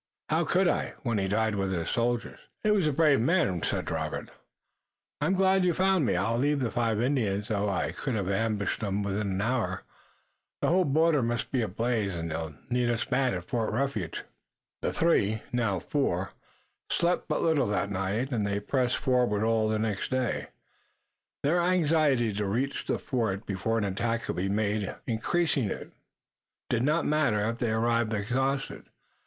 How could I when he died with his soldiers?" "He was a brave man," said Robert. "I'm glad you found me. I'll leave the five Indians, though I could have ambushed 'em within the hour. The whole border must be ablaze, and they'll need us bad at Fort Refuge." The three, now four, slept but little that night and they pressed forward all the next day, their anxiety to reach the fort before an attack could be made, increasing. It did not matter now if they arrived exhausted.